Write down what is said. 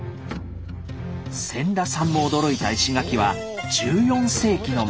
千田さんも驚いた石垣は１４世紀のもの。